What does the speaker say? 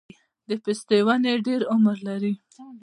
د پستې ونه ډیر عمر لري؟